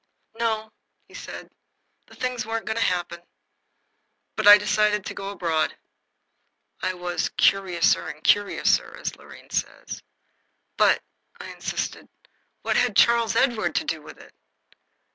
"No," he said, "the things weren't going to happen. But I decided to go abroad." I was "curiouser and curiouser," as Lorraine says. "But," I insisted, "what had Charles Edward to do with it?"